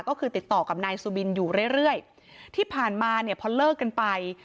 ก็คือติดต่อกับนายสุบินอยู่เรื่อยเรื่อยที่ผ่านมาเนี่ยพอเลิกกันไป